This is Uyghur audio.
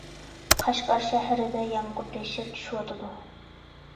قەشقەر شەھىرىدە يامغۇر دەھشەت چۈشۈۋاتىدۇ.